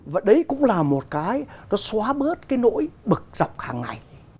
và đấy cũng là một cái nó xóa bớt cái nỗi bực dọc hàng ngày